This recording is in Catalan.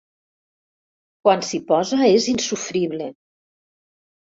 Quan s'hi posa és insofrible.